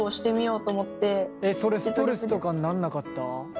それストレスとかになんなかった？